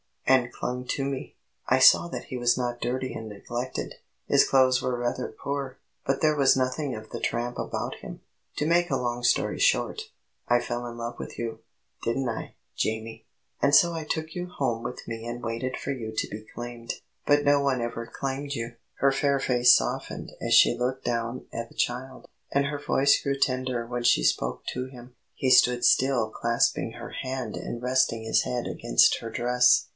and clung to me. I saw that he was not dirty and neglected; his clothes were rather poor, but there was nothing of the tramp about him. To make a long story short, I fell in love with you didn't I, Jamie? and so I took you home with me and waited for you to be claimed, but no one ever claimed you." Her fair face softened as she looked down at the child, and her voice grew tender when she spoke to him. He still stood clasping her hand and resting his head against her dress.